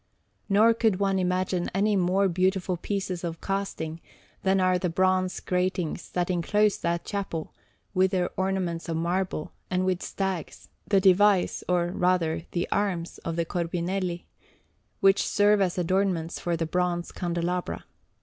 Nor could one imagine any more beautiful pieces of casting than are the bronze gratings that enclose that chapel, with their ornaments of marble, and with stags, the device, or rather the arms, of the Corbinelli, which serve as adornments for the bronze candelabra.